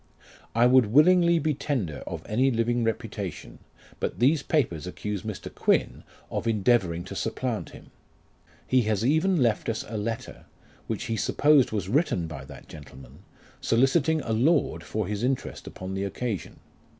I would willingly be tender of any living reputation, but these papers accuse Mr. Q,uin of endeavouring to supplant him. He has even left us a letter, which he supposed was written by that gentleman, soliciting a lord for his interest upon the occasion.